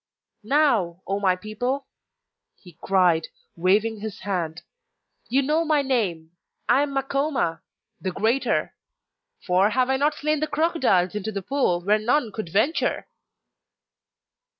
'Now, O my people!' he cried, waving his hand, 'you know my name I am Makoma, "the Greater"; for have I not slain the crocodiles into the pool where none would venture?